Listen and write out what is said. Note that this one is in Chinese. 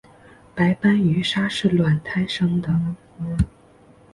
白斑角鲨是卵胎生的。